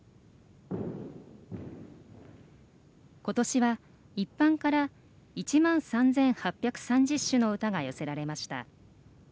今年は一般から１万３８３０首の歌が寄せられました。